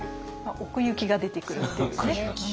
奥行きが出てくるっていうね。